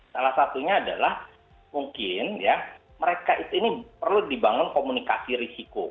salah satunya adalah mungkin ya mereka ini perlu dibangun komunikasi risiko